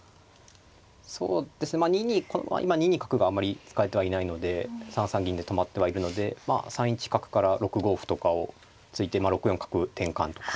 そうですね２二２二角があんまり使えてはいないので３三銀で止まってはいるので３一角から６五歩とかを突いて６四角転換とか。